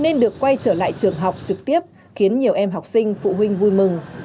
nên được quay trở lại trường học trực tiếp khiến nhiều em học sinh phụ huynh vui mừng